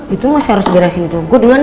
itu mah harus saya beresin dulu